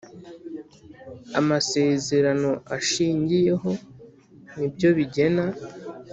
Amasezerano ashingiyeho ni byo bigena